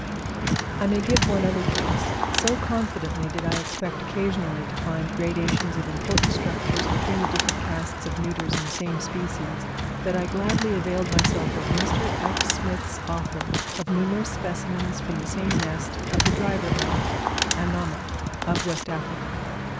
I may give one other case: so confidently did I expect occasionally to find gradations of important structures between the different castes of neuters in the same species, that I gladly availed myself of Mr. F. Smith's offer of numerous specimens from the same nest of the driver ant (Anomma) of West Africa.